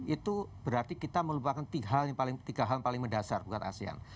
itu berarti kita melupakan tiga hal paling mendasar buat asean